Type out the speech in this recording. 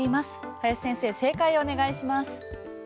林先生、正解をお願いします。